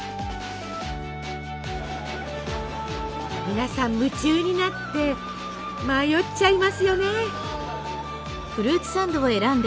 皆さん夢中になって迷っちゃいますよね。